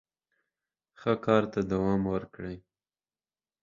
ښه کار ته دوام ورکړئ.